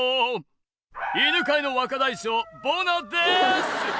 「犬界の若大将ボナです！」